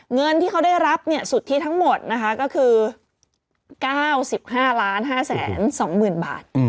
เงินที่เขาได้รับสุทธิทั้งหมดนะคะก็คือ๙๕๕๒๐๐๐บาท